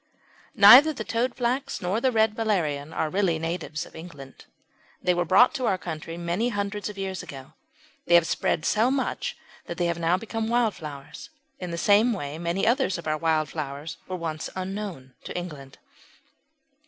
Neither the Toadflax nor the Red Valerian are really natives of England. They were brought to our country many hundreds of years ago. They have spread so much that they have now become wildflowers. In the same way many others of our wild flowers were once unknown in England.